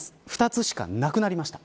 ２つしかなくなりました。